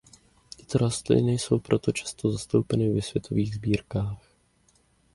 Tyto rostliny jsou proto často zastoupeny ve světových sbírkách.